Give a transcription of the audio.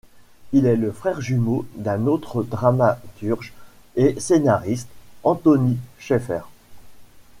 Il est le frère jumeau d’un autre dramaturge et scénariste, Anthony Shaffer.